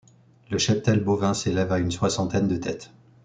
Le cheptel bovin s'élève à une soixantaine de têtes.